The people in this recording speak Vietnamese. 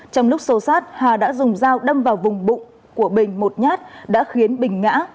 trong lúc xô xát hà đã dùng dao đâm vào vùng bụng của bình một nhát đã khiến bình ngã